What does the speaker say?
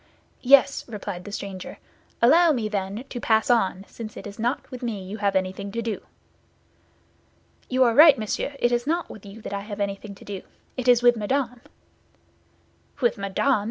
"Yes," replied the stranger. "Allow me, then, to pass on, since it is not with me you have anything to do." "You are right, monsieur, it is not with you that I have anything to do; it is with Madame." "With Madame!